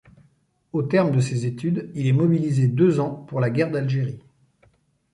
Au terme de ses études, il est mobilisé deux ans pour la guerre d'Algérie.